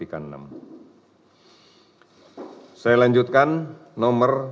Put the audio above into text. saya lanjutkan nomor tiga puluh tujuh